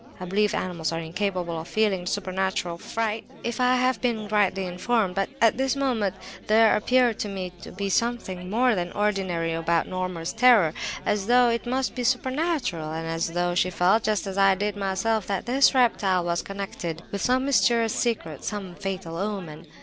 I believe animals are incapable of feeling supernatural fright—if I have been rightly informed,—but at this moment there appeared to me to be something more than ordinary about Norma's terror, as though it must be supernatural; and as though she felt, just as I did myself, that this reptile was connected with some mysterious secret, some fatal omen.